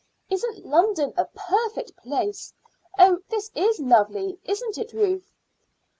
Isn't London a perfect place? Oh, this is lovely, isn't it, Ruth?"